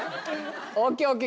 ＯＫＯＫ。